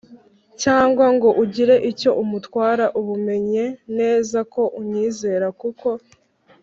Cyangwa ngo ugire icyo umutwara ubu menye neza ko unyizera kuko